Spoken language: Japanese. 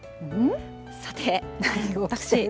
さて、私。